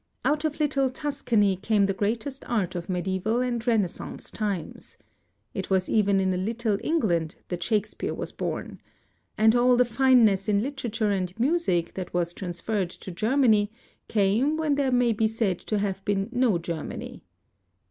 Out of little Tus cany came the greatest art of medieval and renaissance times. It was even in a little England that Shakespeare was bom. And all the fineness in literature and music that was trans ferred to Germany came when there may be said to have been no Germany.